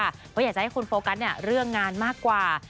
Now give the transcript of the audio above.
เพราะอยากจะให้คนโฟกัสเรื่องงานมากกว่า